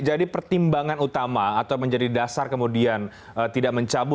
jadi pertimbangan utama atau menjadi dasar kemudian tidak mencabut